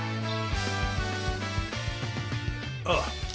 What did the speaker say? ああ。